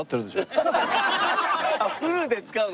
フルで使うの？